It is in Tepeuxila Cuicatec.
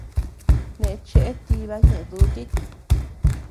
Neʼe cheʼe tiba ñeʼe dutit.